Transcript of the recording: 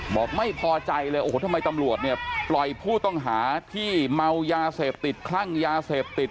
บอกไม่พอใจเลยโอ้โหทำไมตำรวจเนี่ยปล่อยผู้ต้องหาที่เมายาเสพติดคลั่งยาเสพติด